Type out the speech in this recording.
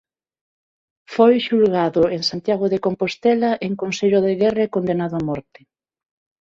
Foi xulgado en Santiago de Compostela en consello de guerra e condenado a morte.